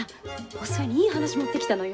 お寿恵にいい話持ってきたのよ。